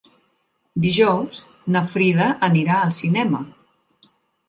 Dijous na Frida anirà al cinema.